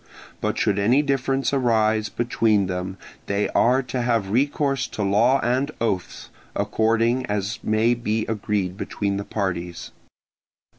But should any difference arise between them they are to have recourse to law and oaths, according as may be agreed between the parties.